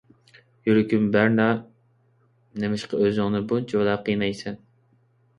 يۈرىكىم بەرنا، نېمىشقا ئۆزۈڭنى بۇنچىۋالا قىينايسەن؟